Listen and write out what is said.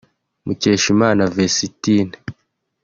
Mukeshimana Vestine